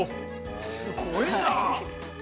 ◆すごいな。